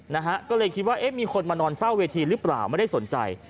นะฮะก็เลยคิดว่าเอ๊ะมีคนมานอนเฝ้าเวทีหรือเปล่าไม่ได้สนใจ